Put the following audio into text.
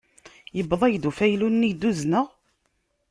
Yewweḍ-ak-d ufaylu-nni i d-uzneɣ?